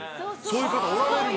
そういうこと。